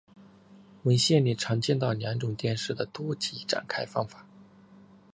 文献里常见到两种电势的多极展开方法。